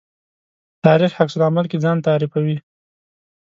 تاریخ عکس العمل کې ځان تعریفوي.